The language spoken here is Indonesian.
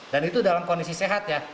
dan itu dalam kondisi sehat ya